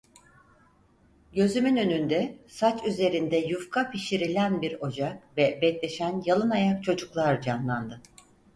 Gözümün önünde, saç üzerinde yufka pişirilen bir ocak ve bekleşen yalınayak çocuklar canlandı.